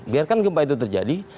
biarkan gempa itu terjadi